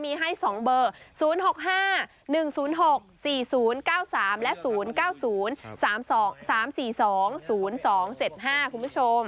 มีให้๒เบอร์๐๖๕๑๐๖๔๐๙๓และ๐๙๐๓๒๓๔๒๐๒๗๕คุณผู้ชม